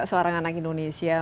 seorang anak indonesia